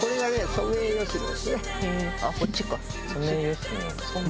ソメイヨシノ。